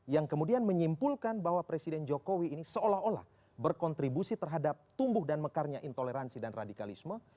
yang kemudian menyimpulkan bahwa presiden jokowi ini seolah olah berkontribusi terhadap tumbuh dan mekarnya intoleransi dan radikalisme